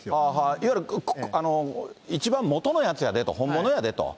いわゆる一番元のやつやでと、本物やでと。